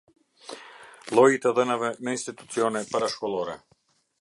Lloji i të dhënave në institucione parashkollore.